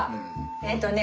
えっとね